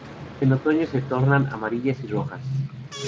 En otoño se tornan amarillas y rojas.